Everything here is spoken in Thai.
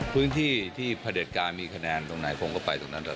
พื้นที่ที่พระเด็จการมีคะแนนตรงไหนผมก็ไปตรงนั้นแหละ